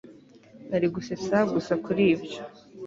nari gusetsa gusa kuri ibyo